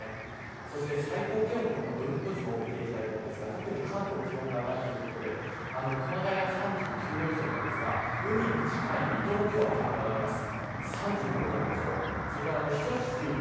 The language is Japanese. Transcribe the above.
そして最高気温の分布図を見ていきたいと思うんですが特に関東は気温が上がるということで熊谷が３９度予想なんですが海に近い水戸も今日は気温が上がります。